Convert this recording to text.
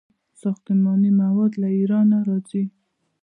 ساختماني مواد له ایران راځي.